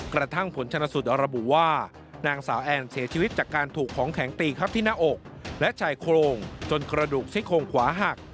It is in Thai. กระทั่งผลชนสูตรระบุว่านางสาวแอนเสียชีวิตจากการถูกของแข็งตีครับที่หน้าอกและชายโครงจนกระดูกซี่โครงขวาหัก